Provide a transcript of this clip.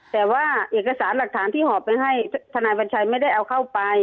แต่ว่าเอกสารหลักฐานที่หอบไปให้ทนายบัญชัยไม่ได้เอาเข้าไป